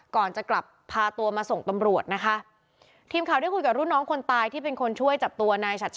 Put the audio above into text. ก่อนจะกลับพาตัวมาส่งตำรวจนะคะทีมข่าวได้คุยกับรุ่นน้องคนตายที่เป็นคนช่วยจับตัวนายฉัด